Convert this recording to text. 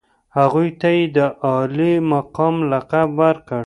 هغوی ته یې د عالي مقام لقب ورکړ.